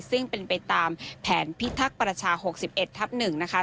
ซึ่งเป็นไปตามแผนพิทักษ์ประชา๖๑ทับ๑นะคะ